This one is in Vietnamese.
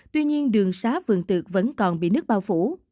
tuy nhiên đường xá vườn tược vẫn còn bị nước bao phủ